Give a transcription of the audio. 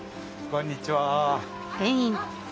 こんにちは。